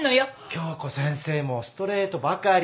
今日子先生もストレートばかり。